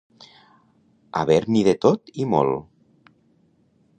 Haver-n'hi de tot i molt.